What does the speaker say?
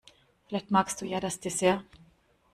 Vielleicht magst du ja das Dessert?